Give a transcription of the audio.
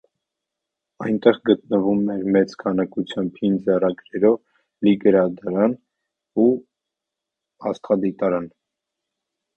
Այնտեղ գտնվում էր մեծ քանակությամբ հին ձեռագրերով լի գրադարան ու աստղադիտարան։